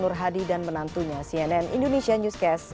nur hadi dan menantunya cnn indonesia newscast